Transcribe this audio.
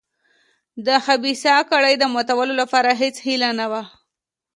د خبیثه کړۍ د ماتولو لپاره هېڅ هیله نه وه.